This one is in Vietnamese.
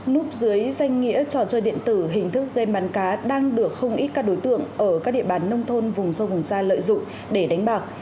núp dưới danh nghĩa trò chơi điện tử hình thức gam bán cá đang được không ít các đối tượng ở các địa bàn nông thôn vùng sâu vùng xa lợi dụng để đánh bạc